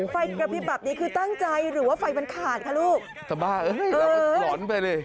ไฟกระพริบแบบนี้คือตั้งใจหรือว่าไฟมันขาดคะลูกสบ้าเอ้ยเราก็หลอนไปดิ